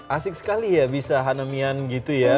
asik sekali ya bisa hanemian gitu ya